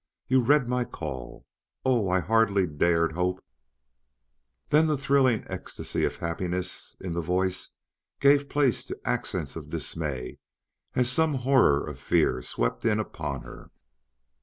You read my call! Oh, I hardly dared hope " Then the thrilling ecstasy of happiness in the voice gave place to accents of dismay as some horror of fear swept in upon her.